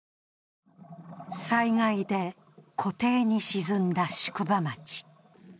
災害で湖底に沈んだ宿場町。